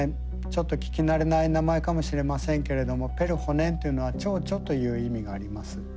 ちょっと聞き慣れない名前かもしれませんけれども「ペルホネン」というのは「蝶々」という意味があります。